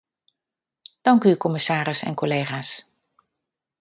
Dank u, commissaris en collega's.